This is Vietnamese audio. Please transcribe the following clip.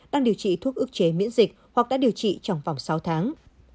đang điều trị thuốc ức chế miễn dịch hoặc đã điều trị trong vòng sáu tháng